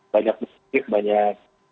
banyak meskip banyak